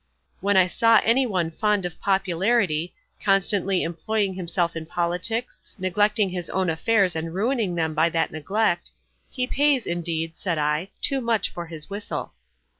When I saw any one fond of popularity, constantly employing himself in politics, neglecting his own affairs and ruining them by that neglect, "He pays, indeed," said I, "too much for his whistle."